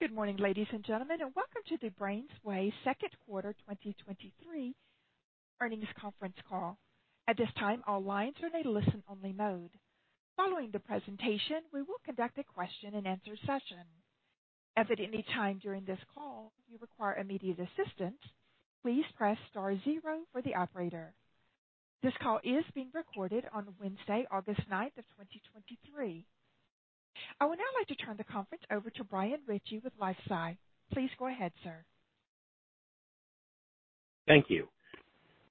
Good morning, ladies and gentlemen, and welcome to the BrainsWay Second Quarter 2023 Earnings Conference Call. At this time, all lines are in a listen-only mode. Following the presentation, we will conduct a question-and-answer session. If at any time during this call you require immediate assistance, please press star zero for the operator. This call is being recorded on Wednesday, August ninth of 2023. I would now like to turn the conference over to Brian Ritchie with LifeSci. Please go ahead, sir. Thank you.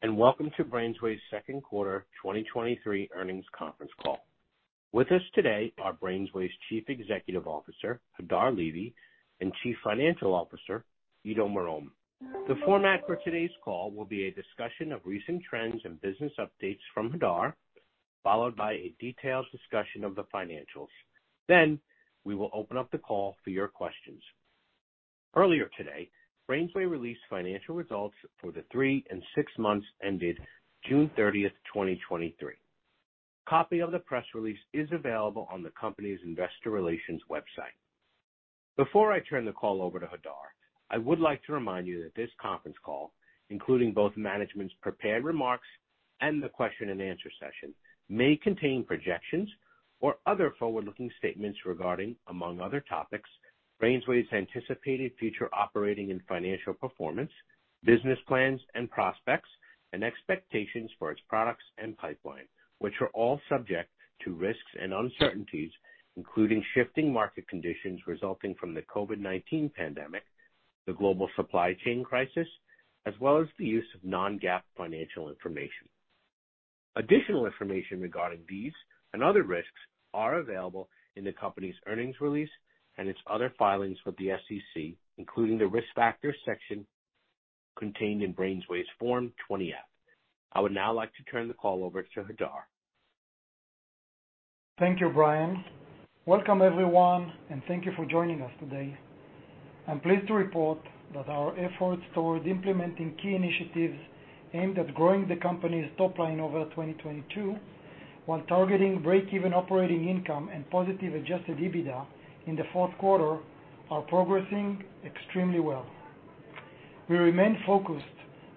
Welcome to BrainsWay's second quarter 2023 earnings conference call. With us today are BrainsWay's Chief Executive Officer, Hadar Levy, and Chief Financial Officer, Ido Marom. The format for today's call will be a discussion of recent trends and business updates from Hadar, followed by a detailed discussion of the financials. We will open up the call for your questions. Earlier today, BrainsWay released financial results for the three and six months ended June 30th, 2023. Copy of the press release is available on the company's investor relations website. Before I turn the call over to Hadar, I would like to remind you that this conference call, including both management's prepared remarks and the question and answer session, may contain projections or other forward-looking statements regarding, among other topics, BrainsWay's anticipated future operating and financial performance, business plans and prospects, and expectations for its products and pipeline, which are all subject to risks and uncertainties, including shifting market conditions resulting from the COVID-19 pandemic, the global supply chain crisis, as well as the use of non-GAAP financial information. Additional information regarding these and other risks are available in the company's earnings release and its other filings with the SEC, including the Risk Factors section contained in BrainsWay's Form 20-F. I would now like to turn the call over to Hadar. Thank you, Brian. Welcome, everyone, and thank you for joining us today. I'm pleased to report that our efforts towards implementing key initiatives aimed at growing the company's top line over 2022, while targeting break-even operating income and positive adjusted EBITDA in the fourth quarter, are progressing extremely well. We remain focused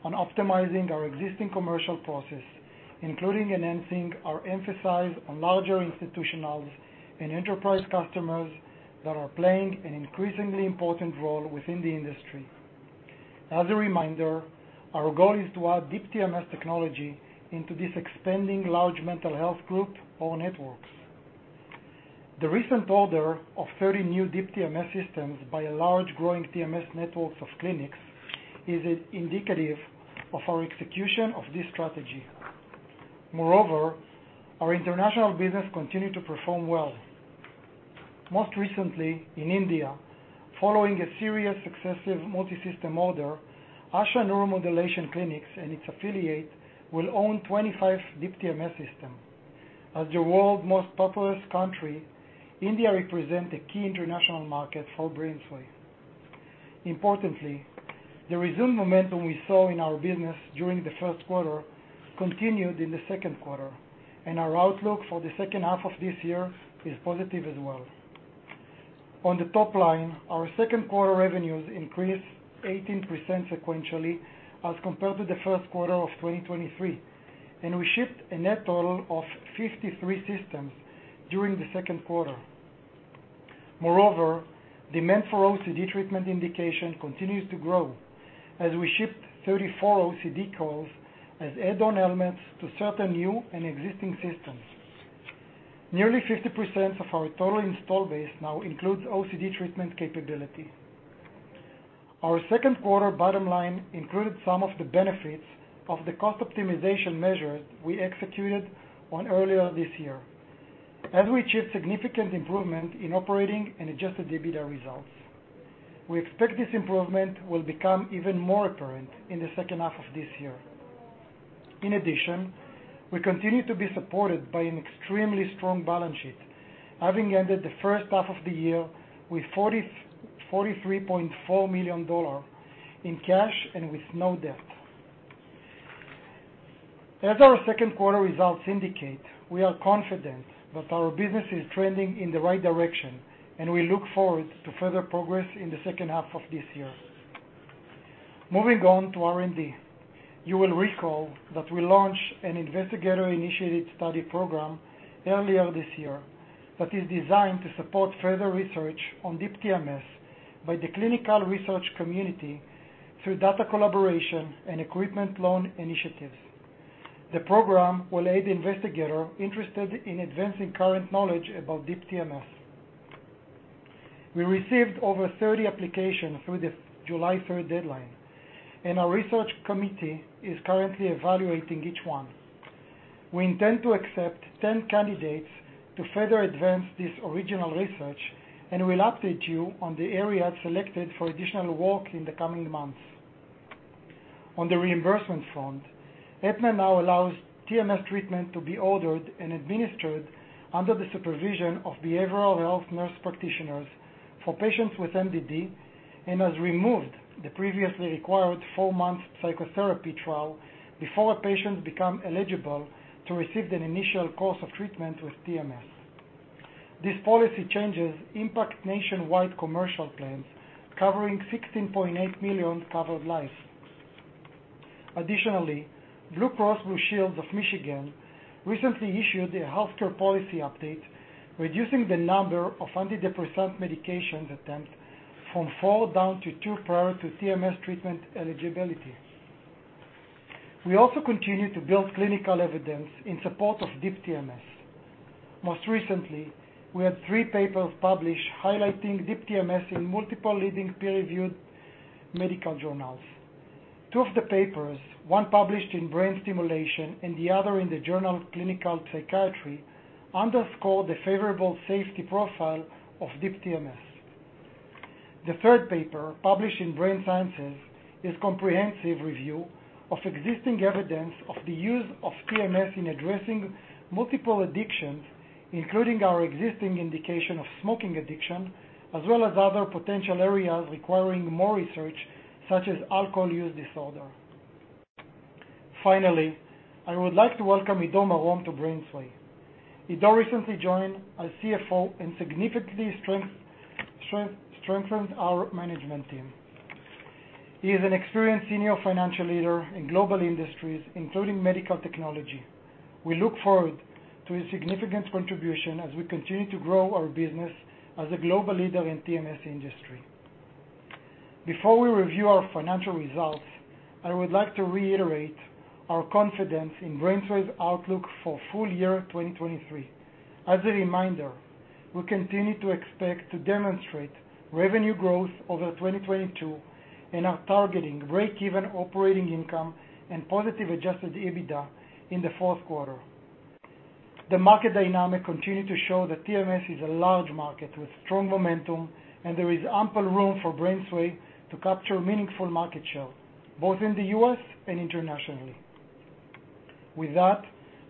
on optimizing our existing commercial process, including enhancing our emphasis on larger institutionals and enterprise customers that are playing an increasingly important role within the industry. As a reminder, our goal is to add Deep TMS technology into this expanding large mental health group or networks. The recent order of 30 new Deep TMS systems by a large growing TMS networks of clinics is indicative of our execution of this strategy. Moreover, our international business continued to perform well. Most recently in India, following a serious successive multisystem order, Asha Neuromodulation Clinics and its affiliates will own 25 Deep TMS system. As the world's most populous country, India represent a key international market for BrainsWay. Importantly, the resume momentum we saw in our business during the first quarter continued in the second quarter, and our outlook for the second half of this year is positive as well. On the top line, our second quarter revenues increased 18% sequentially as compared to the first quarter of 2023, and we shipped a net total of 53 systems during the second quarter. Moreover, demand for OCD treatment indication continues to grow as we shipped 34 OCD coils as add-on elements to certain new and existing systems. Nearly 50% of our total install base now includes OCD treatment capability. Our second quarter bottom line included some of the benefits of the cost optimization measures we executed on earlier this year, as we achieved significant improvement in operating and adjusted EBITDA results. We expect this improvement will become even more apparent in the second half of this year. In addition, we continue to be supported by an extremely strong balance sheet, having ended the first half of the year with $43.4 million in cash and with no debt. As our second quarter results indicate, we are confident that our business is trending in the right direction, and we look forward to further progress in the second half of this year. Moving on to R&D. You will recall that we launched an investigator-initiated study program earlier this year that is designed to support further research on Deep TMS by the clinical research community through data collaboration and equipment loan initiatives. The program will aid investigators interested in advancing current knowledge about Deep TMS. We received over 30 applications through the July 3rd deadline, and our research committee is currently evaluating each one. We intend to accept 10 candidates to further advance this original research and will update you on the area selected for additional work in the coming months. On the reimbursement front, Aetna now allows TMS treatment to be ordered and administered under the supervision of behavioral health nurse practitioners for patients with MDD, and has removed the previously required 4-month psychotherapy trial before a patient become eligible to receive an initial course of treatment with TMS. These policy changes impact nationwide commercial plans covering 16.8 million covered lives. Additionally, Blue Cross Blue Shield of Michigan recently issued a healthcare policy update, reducing the number of antidepressant medication attempts from four down to two prior to TMS treatment eligibility. We also continue to build clinical evidence in support of Deep TMS. Most recently, we had three papers published highlighting Deep TMS in multiple leading peer-reviewed medical journals. Two of the papers, one published in Brain Stimulation and the other in The Journal of Clinical Psychiatry, underscore the favorable safety profile of Deep TMS. The third paper, published in Brain Sciences, is comprehensive review of existing evidence of the use of TMS in addressing multiple addictions, including our existing indication of smoking addiction, as well as other potential areas requiring more research, such as alcohol use disorder. Finally, I would like to welcome Ido Marom to BrainsWay. Ido recently joined as CFO and significantly strength- strengthened our management team. He is an experienced senior financial leader in global industries, including medical technology. We look forward to his significant contribution as we continue to grow our business as a global leader in TMS industry. Before we review our financial results, I would like to reiterate our confidence in BrainsWay's outlook for full year 2023. As a reminder, we continue to expect to demonstrate revenue growth over 2022 and are targeting breakeven operating income and positive adjusted EBITDA in the fourth quarter. The market dynamic continue to show that TMS is a large market with strong momentum, and there is ample room for BrainsWay to capture meaningful market share, both in the U.S. and internationally. With that,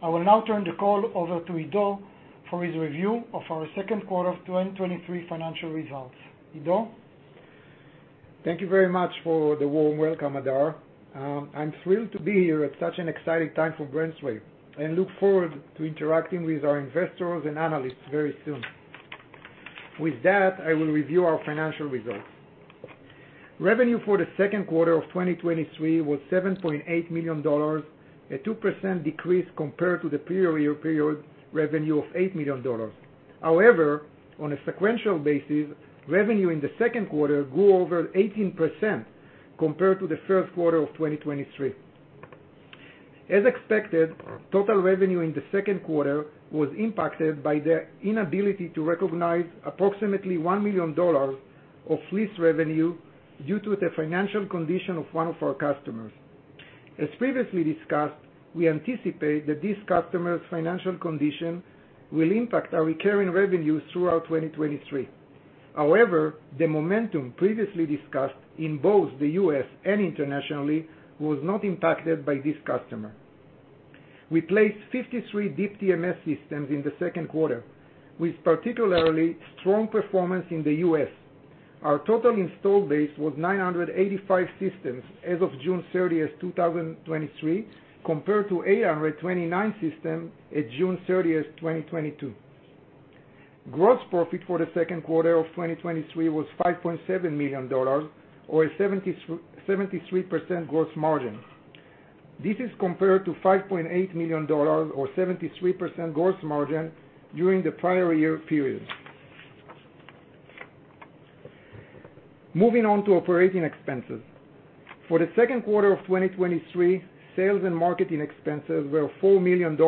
I will now turn the call over to Ido for his review of our second quarter of 2023 financial results. Ido? Thank you very much for the warm welcome, Hadar. I'm thrilled to be here at such an exciting time for BrainsWay and look forward to interacting with our investors and analysts very soon. With that, I will review our financial results. Revenue for the second quarter of 2023 was $7.8 million, a 2% decrease compared to the prior year period revenue of $8 million. On a sequential basis, revenue in the second quarter grew over 18% compared to the first quarter of 2023. As expected, total revenue in the second quarter was impacted by the inability to recognize approximately $1 million of lease revenue due to the financial condition of one of our customers. As previously discussed, we anticipate that this customer's financial condition will impact our recurring revenues throughout 2023. However, the momentum previously discussed in both the U.S. and internationally, was not impacted by this customer. We placed 53 Deep TMS systems in the second quarter, with particularly strong performance in the U.S. Our total installed base was 985 systems as of June 30th, 2023, compared to 829 systems at June 30th, 2022. Gross profit for the second quarter of 2023 was $5.7 million, or a 73% gross margin. This is compared to $5.8 million or 73% gross margin during the prior year period. Moving on to operating expenses. For the second quarter of 2023, sales and marketing expenses were $4 million,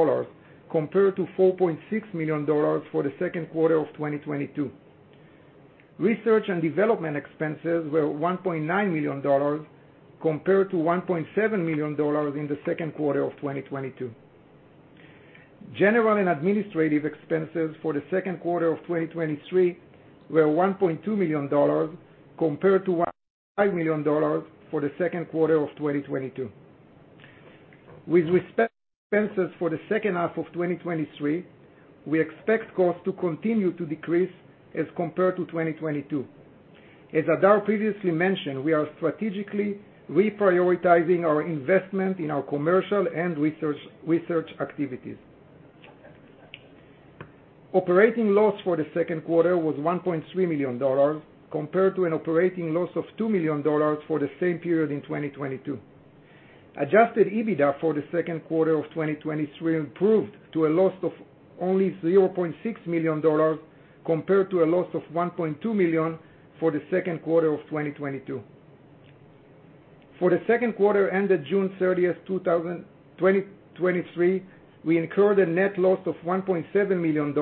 compared to $4.6 million for the second quarter of 2022. Research and development expenses were $1.9 million, compared to $1.7 million in the second quarter of 2022. General and administrative expenses for the second quarter of 2023 were $1.2 million, compared to $1.5 million for the second quarter of 2022. With respect to expenses for the second half of 2023, we expect costs to continue to decrease as compared to 2022. As Hadar previously mentioned, we are strategically reprioritizing our investment in our commercial and research activities. Operating loss for the second quarter was $1.3 million, compared to an operating loss of $2 million for the same period in 2022. Adjusted EBITDA for the second quarter of 2023 improved to a loss of only $0.6 million, compared to a loss of $1.2 million for the second quarter of 2022. For the second quarter ended June 30, 2023, we incurred a net loss of $1.7 million,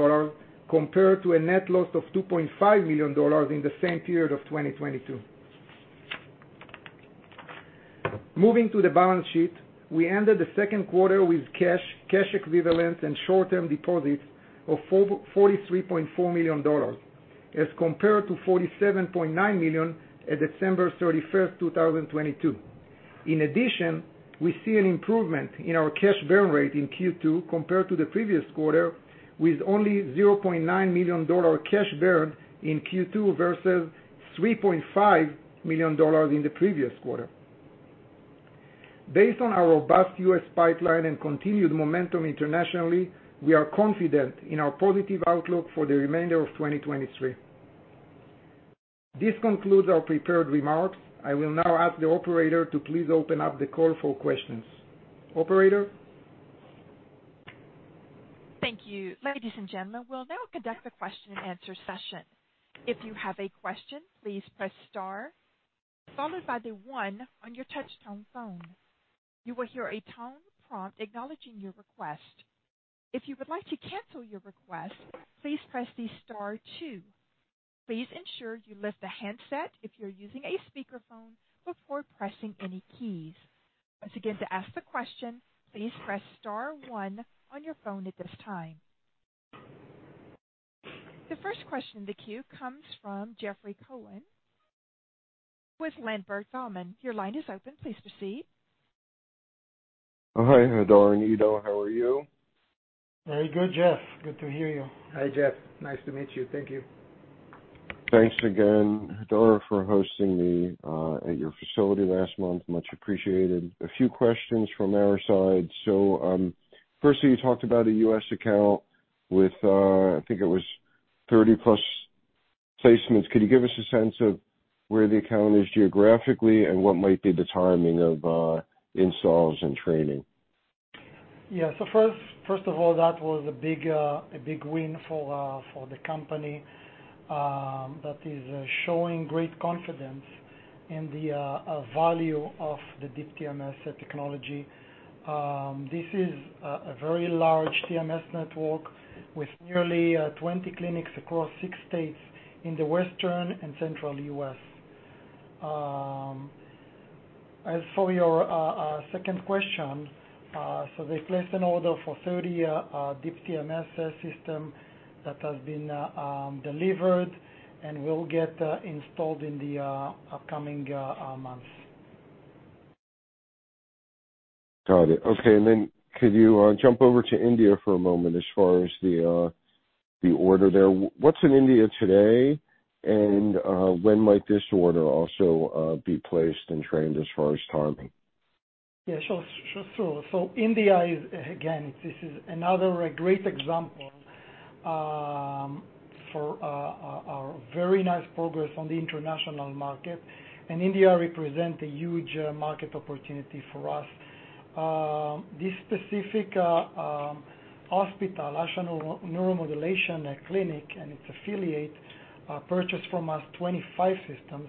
compared to a net loss of $2.5 million in the same period of 2022. Moving to the balance sheet, we ended the second quarter with cash, cash equivalents, and short-term deposits of $43.4 million, as compared to $47.9 million at December 31, 2022. In addition, we see an improvement in our cash burn rate in Q2 compared to the previous quarter, with only $0.9 million cash burn in Q2 versus $3.5 million in the previous quarter. Based on our robust U.S. pipeline and continued momentum internationally, we are confident in our positive outlook for the remainder of 2023. This concludes our prepared remarks. I will now ask the operator to please open up the call for questions. Operator? Thank you. Ladies and gentlemen, we'll now conduct a question-and-answer session. If you have a question, please press star, followed by the one on your touch-tone phone. You will hear a tone prompt acknowledging your request. If you would like to cancel your request, please press the star two. Please ensure you lift the handset if you're using a speakerphone before pressing any keys. Once again, to ask the question, please press star one on your phone at this time. The first question in the queue comes from Jeffrey Cohen with Ladenburg Thalmann. Your line is open. Please proceed. Hi, Hadar and Ido, how are you? Very good, Jeff. Good to hear you. Hi, Jeff. Nice to meet you. Thank you. Thanks again, Hadar, for hosting me at your facility last month. Much appreciated. A few questions from our side. Firstly, you talked about a U.S. account with, I think it was 30-plus placements. Could you give us a sense of where the account is geographically and what might be the timing of installs and training? Yeah. First, first of all, that was a big, a big win for the company, that is showing great confidence in the value of the Deep TMS technology. This is a very large TMS network with nearly 20 clinics across six states in the Western and Central U.S. As for your second question, they placed an order for 30 Deep TMS system that has been delivered and will get installed in the upcoming months. Got it. Okay. Could you jump over to India for a moment as far as the order there? What's in India today, and when might this order also be placed and trained as far as timing? Yeah, sure. Sure. India is, again, this is another great example, for our very nice progress on the international market, and India represent a huge market opportunity for us. This specific hospital, Asha Neuromodulation Clinic, and its affiliate, purchased from us 25 systems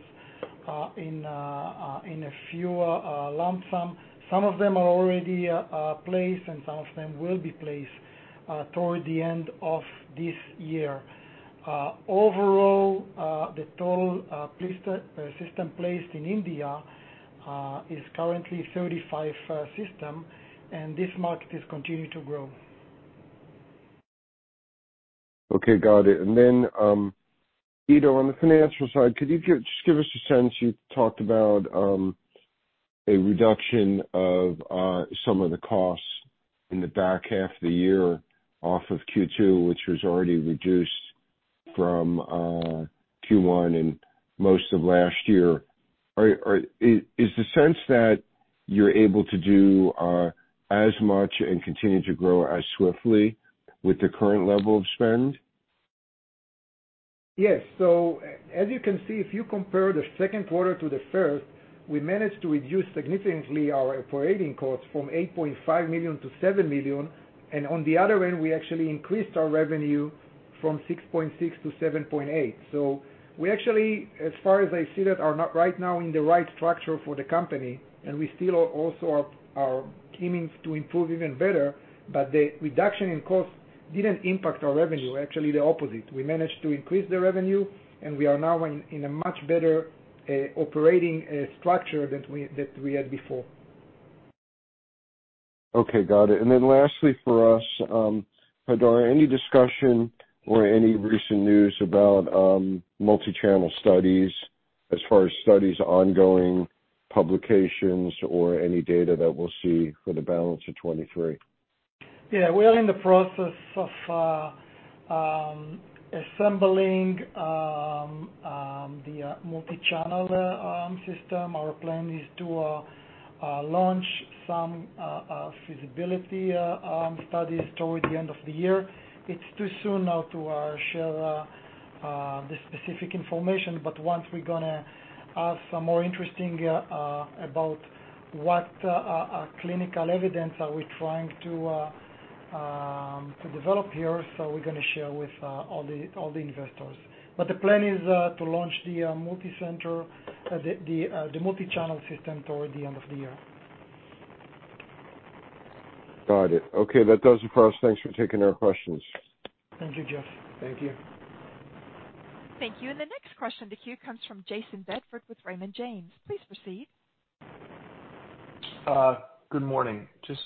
in a few lump sum. Some of them are already placed, and some of them will be placed toward the end of this year. Overall, the total placed system placed in India is currently 35 system, and this market is continuing to grow. Okay, got it. Then, Ido, on the financial side, could you just give us a sense? You talked about a reduction of some of the costs in the back half of the year off of Q2, which was already reduced from Q1 and most of last year. Is the sense that you're able to do as much and continue to grow as swiftly with the current level of spend? Yes. As you can see, if you compare the second quarter to the first, we managed to reduce significantly our operating costs from $8.5 million-$7 million, and on the other hand, we actually increased our revenue from $6.6 million-$7.8 million. We actually, as far as I see that, are not right now in the right structure for the company, and we still also are aiming to improve even better. The reduction in cost didn't impact our revenue, actually the opposite. We managed to increase the revenue, and we are now in a much better operating structure than we had before. Okay, got it. Lastly for us, Hadar, any discussion or any recent news about multi-channel studies as far as studies, ongoing publications, or any data that we'll see for the balance of 2023? Yeah, we are in the process of assembling the multi-channel system. Our plan is to launch some feasibility studies toward the end of the year. It's too soon now to share the specific information, but once we're gonna have some more interesting about what clinical evidence are we trying to develop here, so we're gonna share with all the all the investors. The plan is to launch the multi-center, the the the multi-channel system toward the end of the year. Got it. Okay, that does it for us. Thanks for taking our questions. Thank you, Jeff. Thank you. Thank you. The next question in the queue comes from Jayson Bedford with Raymond James. Please proceed. Good morning. Just,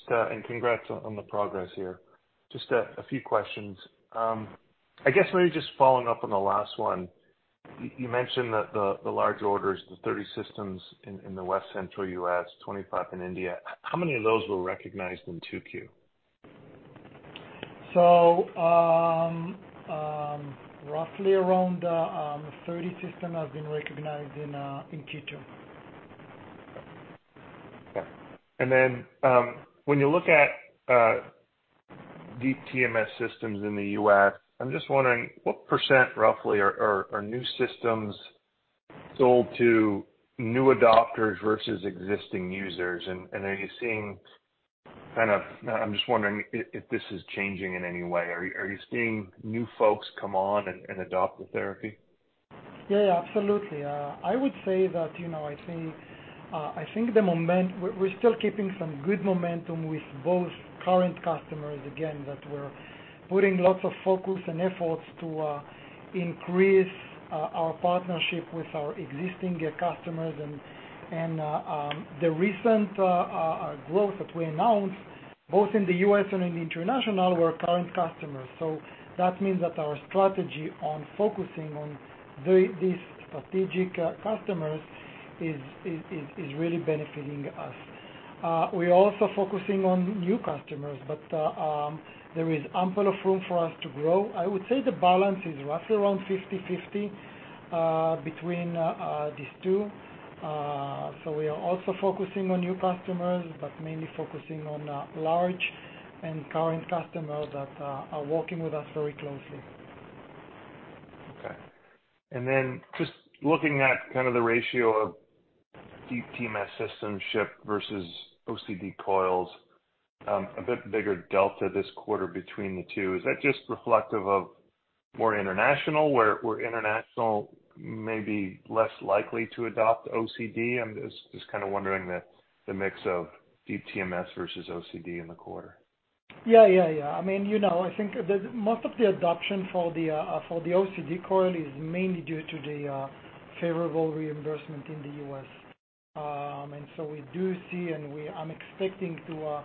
congrats on the progress here. Just a few questions. I guess maybe just following up on the last one. You mentioned that the large orders, the 30 systems in the West Central U.S., 25 in India, how many of those were recognized in 2Q? Roughly around 30 systems have been recognized in Q2. Okay. When you look at Deep TMS systems in the U.S., I'm just wondering, what % roughly are new systems sold to new adopters versus existing users? Are you seeing I'm just wondering if this is changing in any way. Are you seeing new folks come on and adopt the therapy? Yeah, yeah, absolutely. I would say that, you know, I think, I think we're still keeping some good momentum with both current customers, again, that we're putting lots of focus and efforts to increase our partnership with our existing customers. The recent growth that we announced, both in the U.S. and in international, were current customers. That means that our strategy on focusing on these strategic customers is really benefiting us. We're also focusing on new customers. There is ample of room for us to grow. I would say the balance is roughly around 50/50 between these two. We are also focusing on new customers, but mainly focusing on large and current customers that are working with us very closely. Okay. Just looking at kind of the ratio of Deep TMS systems shipped versus OCD coils, a bit bigger delta this quarter between the two. Is that just reflective of more international, where, where international may be less likely to adopt OCD? I'm just, just kind of wondering the, the mix of Deep TMS versus OCD in the quarter. Yeah, yeah, yeah. I mean, you know, I think most of the adoption for the for the OCD coil is mainly due to the favorable reimbursement in the U.S. We do see, and I'm expecting to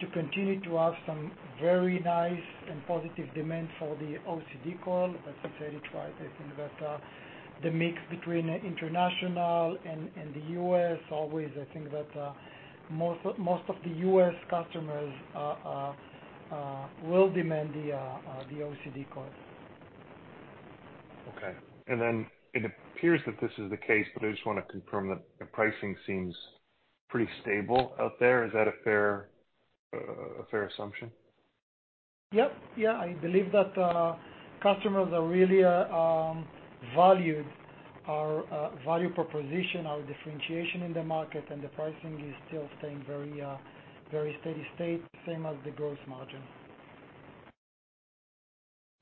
to continue to have some very nice and positive demand for the OCD coil. As I said, I think that the mix between international and, and the U.S. always I think that most, most of the US customers will demand the the OCD coil. Okay. It appears that this is the case, but I just want to confirm that the pricing seems pretty stable out there. Is that a fair, a fair assumption? Yep. Yeah. I believe that customers are really valued our value proposition, our differentiation in the market, and the pricing is still staying very steady state, same as the gross margin.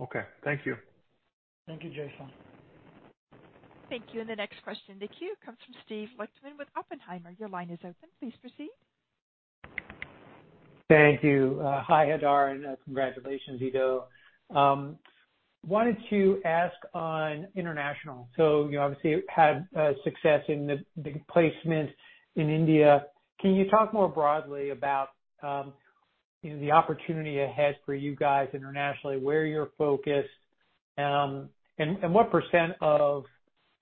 Okay, thank you. Thank you, Jayson. Thank you. The next question in the queue comes from Steve Lichtman with Oppenheimer. Your line is open. Please proceed. Thank you. Hi, Hadar, congratulations, Ido. Wanted to ask on international. You obviously had success in the placement in India. Can you talk more broadly about, you know, the opportunity ahead for you guys internationally, where you're focused, and what %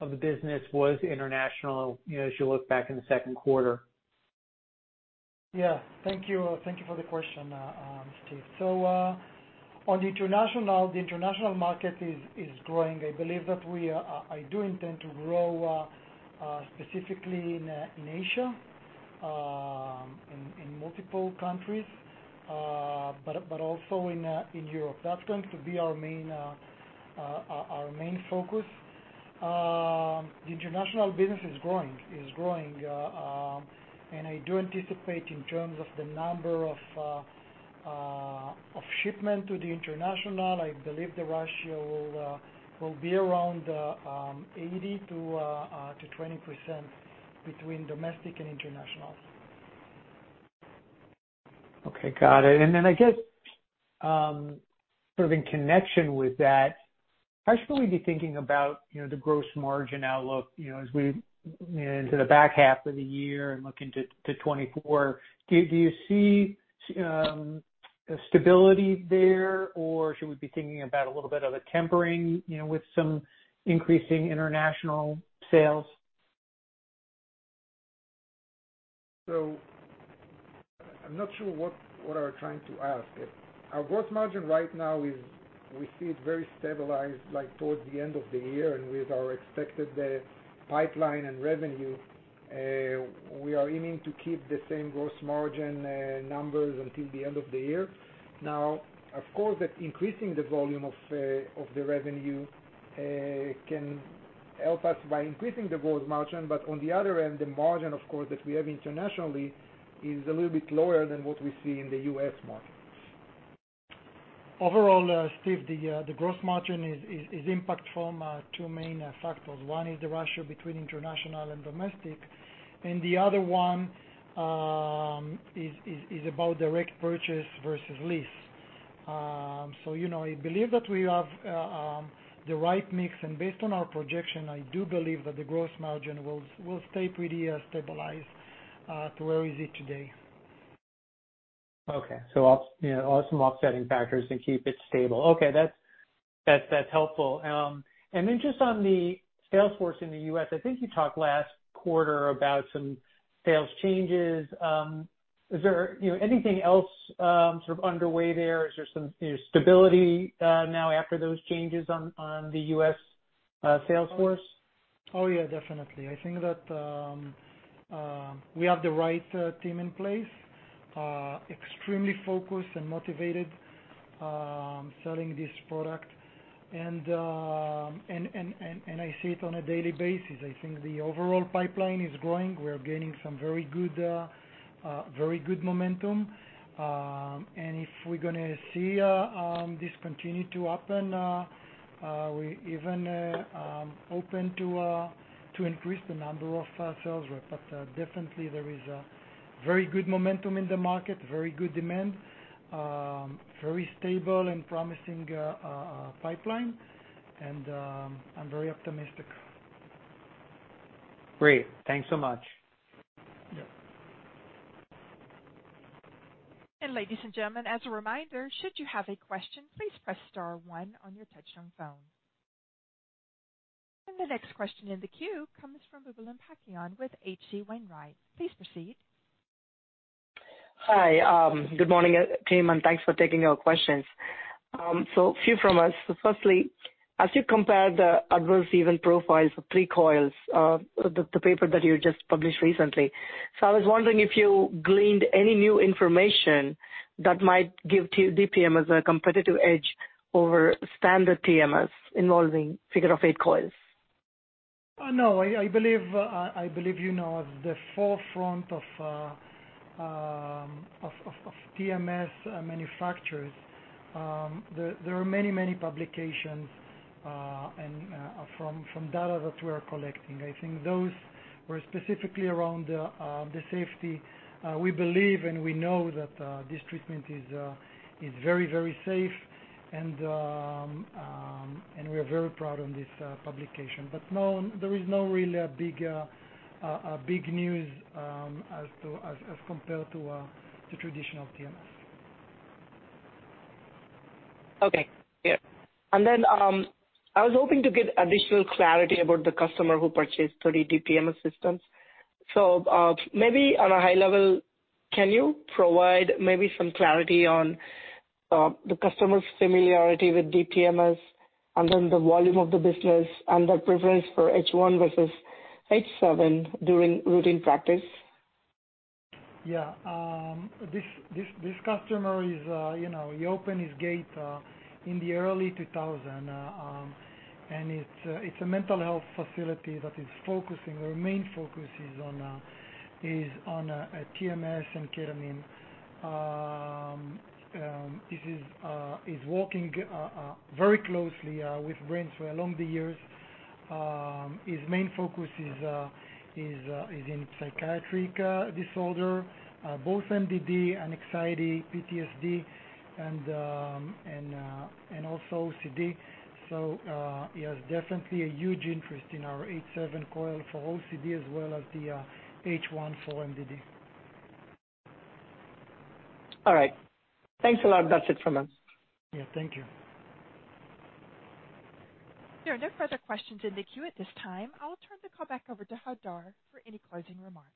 of the business was international, you know, as you look back in the second quarter? Yeah. Thank you. Thank you for the question, Steve. On the international, the international market is growing. I believe that I do intend to grow, specifically in Asia, in multiple countries, but also in Europe. That's going to be our main focus. The international business is growing, and I do anticipate in terms of the number of shipment to the international, I believe the ratio will be around 80%-20% between domestic and international. Okay, got it. Then I guess, sort of in connection with that, how should we be thinking about, you know, the gross margin outlook, you know, as we, you know, into the back half of the year and look into to 2024? Do, do you see a stability there, or should we be thinking about a little bit of a tempering, you know, with some increasing international sales? I'm not sure what you are trying to ask. Our gross margin right now is we see it very stabilized, like towards the end of the year. With our expected pipeline and revenue, we are aiming to keep the same gross margin numbers until the end of the year. Now, of course, that increasing the volume of the revenue can help us by increasing the gross margin. On the other end, the margin, of course, that we have internationally is a little bit lower than what we see in the U.S. market. Overall, Steve, the gross margin is, is, is impact from 2 main factors. One is the ratio between international and domestic, and the other one, is, is, is about direct purchase versus lease. You know, I believe that we have the right mix. Based on our projection, I do believe that the gross margin will, will stay pretty stabilized to where is it today. So off- you know, all some offsetting factors and keep it stable. That's, that's helpful. And then just on the sales force in the U.S., I think you talked last quarter about some sales changes. Is there, you know, anything else sort of underway there? Is there some, you know, stability now after those changes on, on the U.S. sales force? Oh, yeah, definitely. I think that we have the right team in place, extremely focused and motivated, selling this product. I see it on a daily basis. I think the overall pipeline is growing. We're gaining some very good, very good momentum. If we're gonna see this continue to happen, we even open to increase the number of sales rep. Definitely there is a very good momentum in the market, very good demand, very stable and promising pipeline, I'm very optimistic. Great, thanks so much. Yeah. Ladies and gentlemen, as a reminder, should you have a question, please press star 1 on your touchtone phone. The next question in the queue comes from Boobalan Pachaiyappan with H.C. Wainwright. Please proceed. Hi, good morning, team, thanks for taking our questions. A few from us. Firstly, as you compare the adverse event profiles of 3 coils, the paper that you just published recently. I was wondering if you gleaned any new information that might give Deep TMS a competitive edge over standard TMS involving figure-of-eight coils. No, I, I believe, I believe you know, the forefront of TMS manufacturers, there, there are many, many publications, and from, from data that we are collecting. I think those were specifically around the safety. We believe and we know that this treatment is very, very safe, and we are very proud on this publication. But no, there is no really a big, a big news as to as, as compared to the traditional TMS. I was hoping to get additional clarity about the customer who purchased 30 Deep TMS systems. Maybe on a high level, can you provide maybe some clarity on the customer's familiarity with Deep TMS, and then the volume of the business, and the preference for H1 versus H7 during routine practice? Yeah, this customer is, you know, he opened his gate in the early 2000, and it's a mental health facility that is focusing, their main focus is on TMS and ketamine. This is working very closely with BrainsWay along the years. His main focus is in psychiatric disorder, both MDD, anxiety, PTSD, and also OCD. He has definitely a huge interest in our H7 coil for OCD as well as the H1 for MDD. All right. Thanks a lot. That's it from us. Yeah, thank you. There are no further questions in the queue at this time. I'll turn the call back over to Hadar for any closing remarks.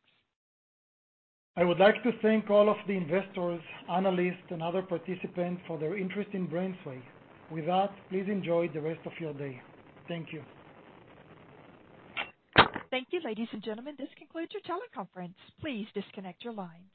I would like to thank all of the investors, analysts, and other participants for their interest in BrainsWay. With that, please enjoy the rest of your day. Thank you. Thank you, ladies and gentlemen. This concludes your teleconference. Please disconnect your lines.